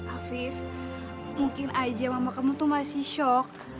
afif mungkin aja mama kamu tuh masih shock